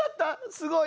すごい。